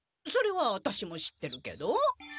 それはアタシも知ってるけど。